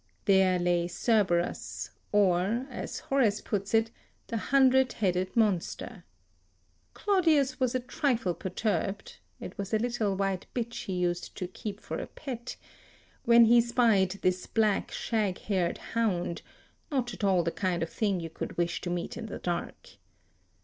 There lay Cerberus, or, as Horace puts it, the hundred headed monster. [Sidenote: Odes ii, 13, 35] Claudius was a trifle perturbed (it was a little white bitch he used to keep for a pet) when he spied this black shag haired hound, not at all the kind of thing you could wish to meet in the dark.